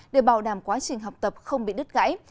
để bảo đảm quá trình học tập không bị đứt gãy